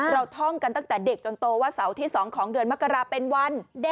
ท่องกันตั้งแต่เด็กจนโตว่าเสาร์ที่๒ของเดือนมกราเป็นวันเด็ก